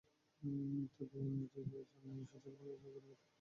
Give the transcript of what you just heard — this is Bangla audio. তবে এমডিজির অন্যান্য সূচকে বাংলাদেশের অগ্রগতি সন্তোষজনক বলে প্রতিবেদনে বলা হয়।